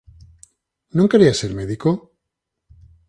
Non querías ser médico?